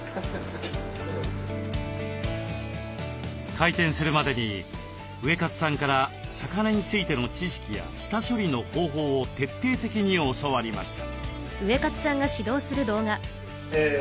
開店するまでにウエカツさんから魚についての知識や下処理の方法を徹底的に教わりました。